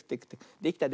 できた。